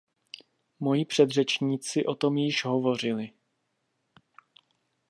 Moji předřečníci o tom již hovořili.